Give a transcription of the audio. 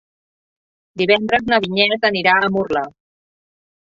Divendres na Vinyet anirà a Murla.